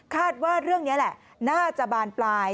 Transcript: คาดว่าเรื่องนี้แหละน่าจะบานปลาย